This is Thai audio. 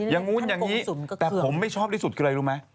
อย่างนู้นอย่างนี้แต่ผมไม่ชอบที่สุดคืออะไรรู้ไหม